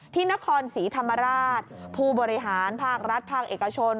ที่นครศรีธรรมราชผู้บริหารภาครัฐภาคเอกชน